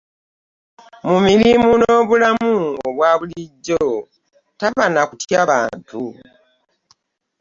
Mu mirimu, n'obulamu obwa bulijjo taba nakutya bantu.